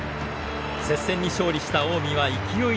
接戦に勝利した近江は勢いに乗り